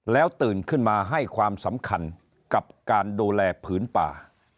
แล้วตื่นขึ้นมาให้ความสำคัญกับการดูแลผืนป่า